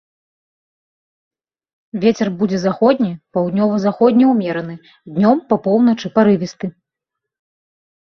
Вецер будзе заходні, паўднёва-заходні ўмераны, днём па поўначы парывісты.